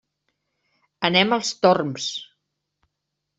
Anem als Torms.